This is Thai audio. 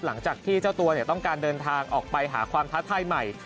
หลังจากที่เจ้าตัวต้องการเดินทางออกไปหาความท้าทายใหม่